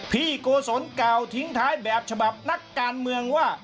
โกศลกล่าวทิ้งท้ายแบบฉบับนักการเมืองว่า